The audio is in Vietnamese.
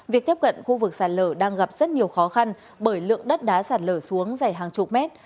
việc tiếp cận khu vực sản lửa đang gặp rất nhiều khó khăn bởi lượng đất đá sản lửa xuống dày hàng chục mét